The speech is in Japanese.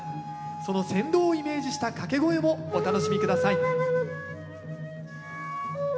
その船頭をイメージした掛け声もお楽しみ下さい。